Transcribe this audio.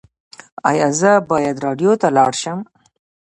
ایا زه باید راډیو ته لاړ شم؟